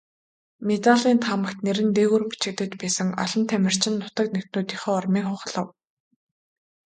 Медалийн таамагт нэр нь дээгүүр бичигдэж байсан олон тамирчин нутаг нэгтнүүдийнхээ урмыг хугалав.